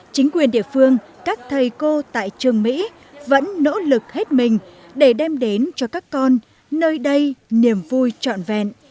chính quyền địa phương các thầy cô tại trường mỹ vẫn nỗ lực hết mình để đem đến cho các con nơi đây niềm vui trọn vẹn